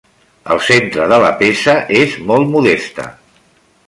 El centre de la peça és molt modesta.